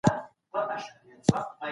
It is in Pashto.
زه به سبا د درسونو يادونه کوم وم.